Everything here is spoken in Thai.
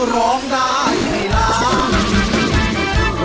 ร้องได้ให้ล้าน